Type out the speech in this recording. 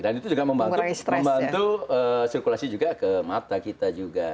dan itu juga membantu sirkulasi juga ke mata kita juga